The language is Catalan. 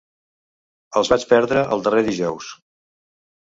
Els vaig perdre el darrer dijous.